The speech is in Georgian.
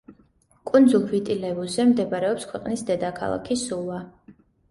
კუნძულ ვიტი-ლევუზე მდებარეობს ქვეყნის დედაქალაქი სუვა.